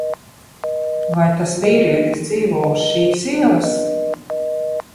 Vai tas vīrietis dzīvo uz šīs ielas?